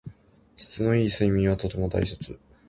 質の良い睡眠はとても大切。